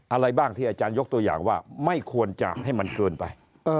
อะไรบ้างที่อาจารยกตัวอย่างว่าไม่ควรจะให้มันเกินไป